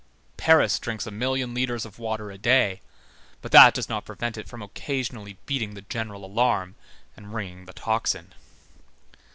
Paris drinks a million litres of water a day, but that does not prevent it from occasionally beating the general alarm and ringing the tocsin.